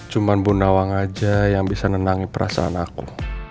cuman bunda wang aja yang bisa nenangi perasaan aku